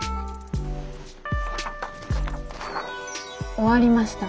終わりました。